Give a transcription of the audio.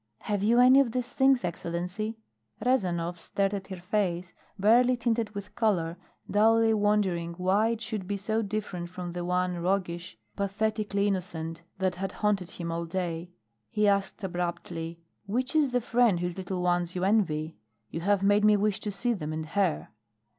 Have you any of these things, Excellency?" Rezanov stared at her face, barely tinted with color, dully wondering why it should be so different from the one roguish, pathetically innocent, that had haunted him all day. He asked abruptly: "Which is the friend whose little ones you envy? You have made me wish to see them and her?"